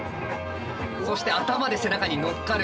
そして頭で背中に乗っかる。